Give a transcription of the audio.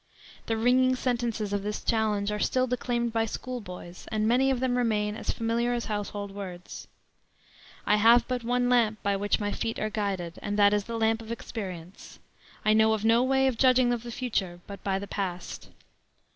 The ringing sentences of this challenge are still declaimed by school boys, and many of them remain as familiar as household words. "I have but one lamp by which my feet are guided, and that is the lamp of experience. I know of no way of judging of the future but by the past.